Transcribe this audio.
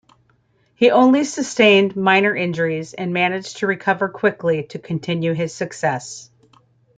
He only sustained minor injuries, and managed to recover quickly to continue his success.